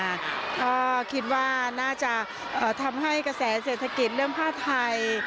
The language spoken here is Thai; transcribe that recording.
ก็คิดว่าน่าจะทำให้กระแสเศรษฐกิจเรื่องผ้าไทย